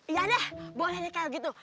iya deh bolehnya kayak gitu